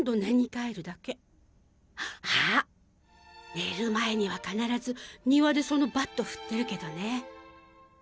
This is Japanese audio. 寝る前には必ず庭でそのバット振ってるけどね。